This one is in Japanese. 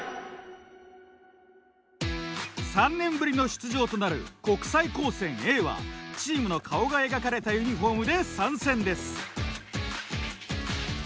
３年ぶりの出場となる国際高専Ａはチームの顔が描かれたユニフォームで参戦です。